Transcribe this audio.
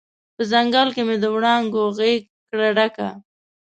په ځنګل کې مې د وړانګو غیږ کړه ډکه